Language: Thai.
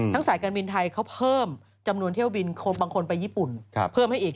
สายการบินไทยเขาเพิ่มจำนวนเที่ยวบินบางคนไปญี่ปุ่นเพิ่มให้อีก